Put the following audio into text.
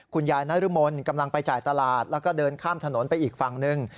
นายนรมนกำลังไปจ่ายตลาดแล้วก็เดินข้ามถนนไปอีกฝั่งหนึ่ง